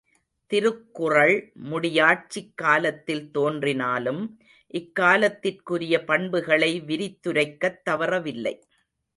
திருக்குறள் முடியாட்சிக் காலத்தில் தோன்றினாலும் இக்காலத்திற்குரிய பண்புகளை விரித்துரைக்கத் தவறவில்லை.